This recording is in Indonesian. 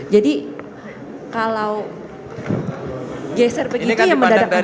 jadi kalau geser begitu ya mendadakkan